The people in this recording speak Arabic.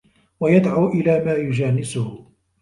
وَيَدْعُو إلَى مَا يُجَانِسُهُ